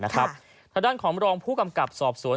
ทางด้านของรองผู้กำกับสอบสวน